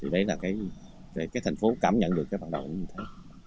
đấy là cái thành phố cảm nhận được cái bản đồng như thế